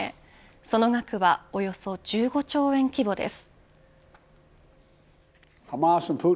その額はおよそ１５兆円規模です。